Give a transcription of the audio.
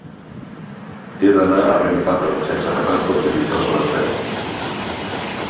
He d'anar a Benifato sense agafar el cotxe dijous a les deu.